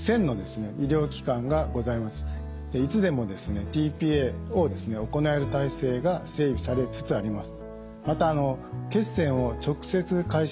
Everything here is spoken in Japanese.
いつでもｔ−ＰＡを行える体制が整備されつつあります。